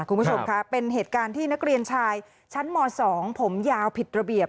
คุณผู้ชมค่ะเป็นเหตุการณ์ที่นักเรียนชายชั้นม๒ผมยาวผิดระเบียบ